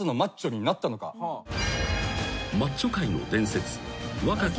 ［マッチョ界の伝説若木